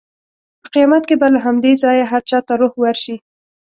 په قیامت کې به له همدې ځایه هر چا ته روح ورشي.